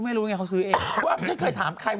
นี่นี่นี่นี่นี่